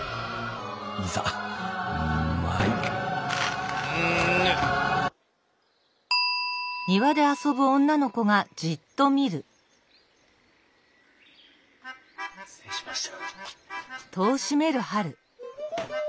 いざ参る失礼しました。